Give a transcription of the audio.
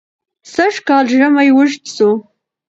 سژ کال ژمى وژد سو